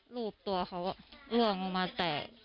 รูปตัวเขาล่วงลงมาแตก